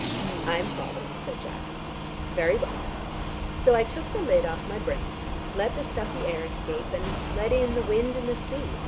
"I'm following," said Jack. "Very well. So I took the lid off my brain, let the stuffy air escape, and let in the wind and the sea.